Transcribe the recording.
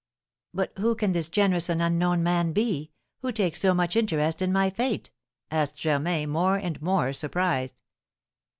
'" "But who can this generous and unknown man be, who takes so much interest in my fate?" asked Germain, more and more surprised.